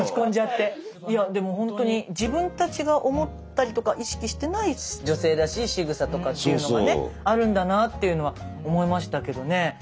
いやでもほんとに自分たちが思ったりとか意識してない女性らしいしぐさとかっていうのがねあるんだなっていうのは思いましたけどね。